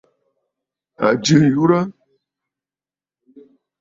À jɨ nyurə.